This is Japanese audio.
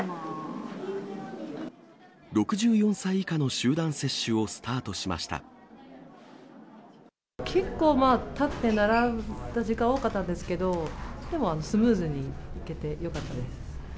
６４歳以下の集団接種をスタ結構立って並んだ時間、多かったですけど、でもスムーズにいけてよかったです。